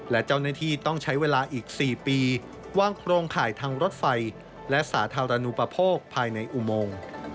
และเจ้าหน้าที่ต้องใช้เวลาอีก๔ปีวางโครงข่ายทางรถไฟและสาธารณูปโภคภายในอุโมง